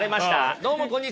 どうもこんにちは。